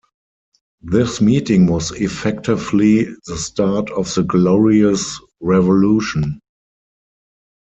This meeting was effectively the start of the Glorious Revolution.